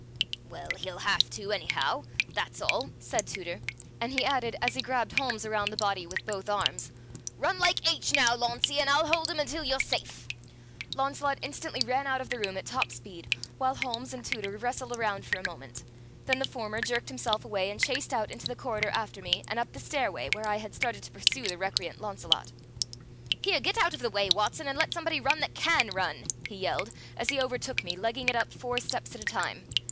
"Well, he'll have to, anyhow that's all," said Tooter, and he added, as he grabbed Holmes around the body with both arms: "Run like h now, Launcie, and I'll hold him until you're safe!" Launcelot instantly ran out of the room at top speed, while Holmes and Tooter wrestled around for a moment; then the former jerked himself away and chased out into the corridor after me, and up the stairway, where I had started to pursue the recreant Launcelot. "Here, get out of the way, Watson, and let somebody run that can run!" he yelled, as he overtook me, legging it up four steps at a time.